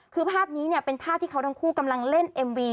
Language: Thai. คือภาพนี้เนี่ยเป็นภาพที่เขาทั้งคู่กำลังเล่นเอ็มวี